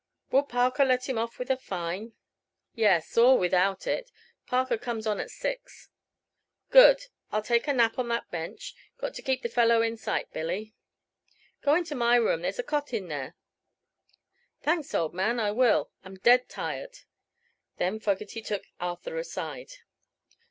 "Will Parker let him off with a fine?" "Yes, or without it. Parker comes on at six." "Good. I'll take a nap on that bench. Got to keep the fellow in sight, Billy." "Go into my room. There's a cot there." "Thanks, old man; I will. I'm dead tired." Then Fogerty took Arthur aside.